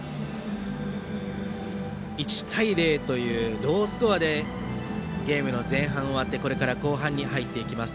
１対０というロースコアでゲームの前半が終わってこれから後半に入っていきます。